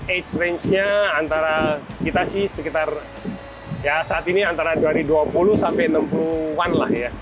ace range nya antara kita sih sekitar ya saat ini antara dua ribu dua puluh sampai enam puluh an lah ya